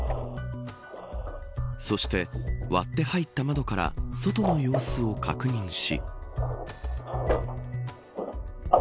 そして、割って入った窓から外の様子を確認し。